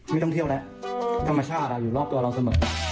ไม่ต้องเที่ยวแล้วธรรมชาติอยู่รอบตัวเราเสมอ